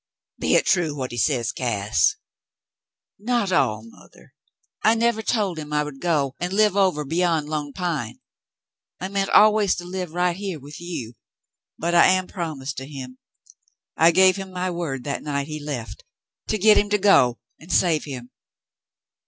"Be hit true, what he says, Cass.^" "Not all, mother. I never told him I would go and live over beyond Lone Pine. I meant always to live right here with you, but I am promised to him. I gave him my word that night he left, to get him to go and save him.